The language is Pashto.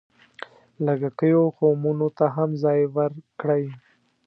لږکیو قومونو ته هم ځای ورکړی.